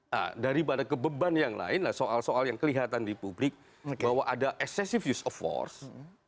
dan daripada kebeban yang lain soal soal yang kelihatan di publik bahwa ada excessive use of force